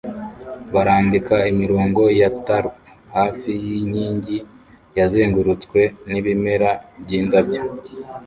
barambika imirongo ya tarp hafi yinkingi yazengurutswe nibimera byindabyo